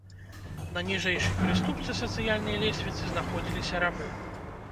На ніжэйшай прыступцы сацыяльнай лесвіцы знаходзіліся рабы.